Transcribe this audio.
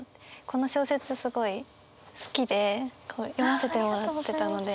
この小説すごい好きで読ませてもらってたので。